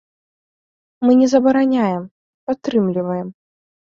Мы не забараняем, падтрымліваем.